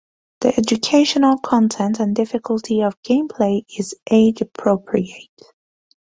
The educational content and difficulty of gameplay is age appropriate.